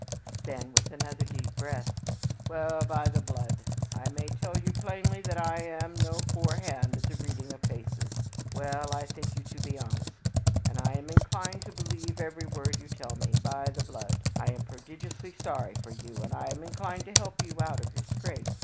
Then with another deep breath: "Well, by the blood! I may tell you plainly that I am no poor hand at the reading of faces. Well, I think you to be honest, and I am inclined to believe every word you tell me. By the blood! I am prodigiously sorry for you, and am inclined to help you out of your scrape.